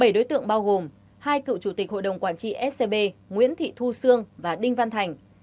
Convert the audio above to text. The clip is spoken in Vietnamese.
bảy đối tượng bao gồm hai cựu chủ tịch hội đồng quản trị scb nguyễn thị thu sương và đinh văn thành